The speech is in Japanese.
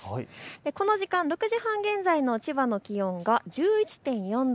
この時間、６時半現在の千葉の気温が１１．４度。